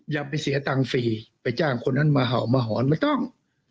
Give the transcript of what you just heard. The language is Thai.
อย่าไปเสียตังค์ฟรีไปจ้างคนนั้นมาเห่ามาหอนไม่ต้อง